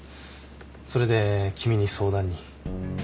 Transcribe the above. それで君に相談に。